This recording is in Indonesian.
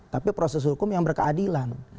tapi proses hukum yang berkeadilan